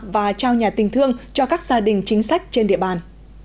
và trao nhà tình thương cho các gia đình chính sách trên địa bàn